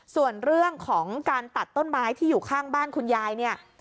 ส่วนเรื่องของการตัดต้นไม้ที่อยู่ข้างบ้านคุณยายเนี่ย